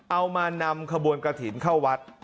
เอามานำขบวนกระถิ่นเข้าวัด